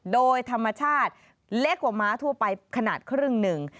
โดยธรรมชาติเล็กกว่าม้าทั่วไปขนาดครึ่งหนึ่ง